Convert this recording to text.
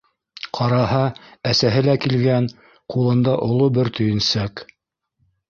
Ҡараһа, әсәһе лә килгән, ҡулында оло бер төйөнсөк.